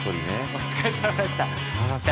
お疲れさまでした。